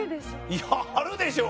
いやあるでしょ。